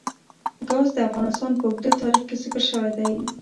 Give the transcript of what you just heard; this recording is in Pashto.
ګاز د افغانستان په اوږده تاریخ کې ذکر شوی دی.